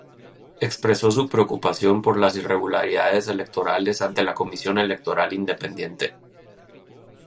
Expresó su preocupación por las irregularidades electorales ante la Comisión Electoral Independiente.